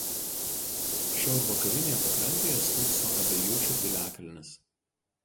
Šiaurvakarinėje pakrantėje stūkso Abejučių piliakalnis.